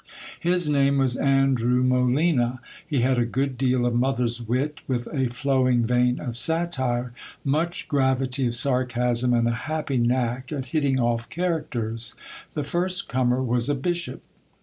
His name was Andrew Molina. He had a good deal of mother's wit, with a flowing vein of satire, much gravity of sarcasm, and a happy knack at hitting off characters. The first comer was a bishop.